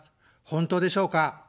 本当でしょうか。